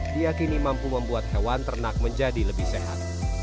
diakini mampu membuat hewan ternak menjadi lebih sehat